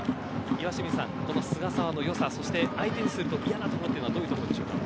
岩清水さん、菅澤の良さ、そして相手にすると嫌なところはどういうところでしょうか。